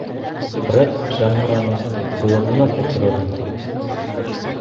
— Фред шәм һораны, ҡулына тотторорһоң, ти.